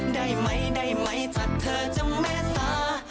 ได้ไหมได้ไหมจัดเธอจังแม่ตา